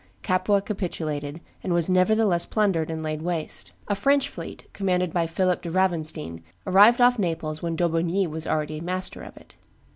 Capua capitulated, and was nevertheless plundered and laid waste. A French fleet, commanded by Philip de Ravenstein, arrived off Naples when D'Aubigny was already master of it.